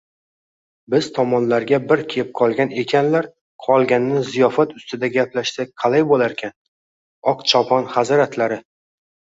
– Biz tomonlarga bir kepqolgan ekanlar, qolganini ziyofat ustida gaplashsak qalay bo‘larkin, Oqchopon hazratlari?